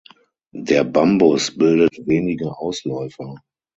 Der Bambus bildet wenige Ausläufer.